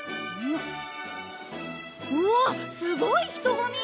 うわあすごい人混み！